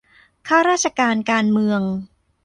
ข้าราชการการเมือง